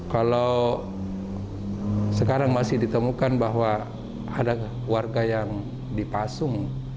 kalau sekarang masih ditemukan bahwa ada warga yang dipasung